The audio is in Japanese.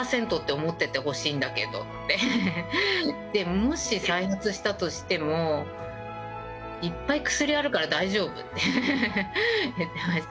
もし再発したとしても、いっぱい薬があるから大丈夫って言ってました。